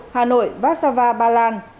một hà nội vác sava bà lan